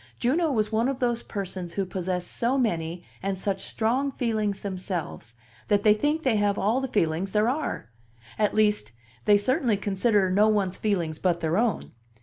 Juno was one of those persons who possess so many and such strong feelings themselves that they think they have all the feelings there are; at least, they certainly consider no one's feelings but their own.